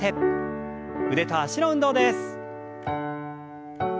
腕と脚の運動です。